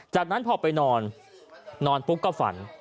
จากนั้นพอไปนอนนอนปุ๊บก็ฝัน